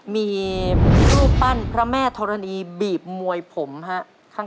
มีรูปปั้นพระแม่ธรณีบีบมวยผมฮะ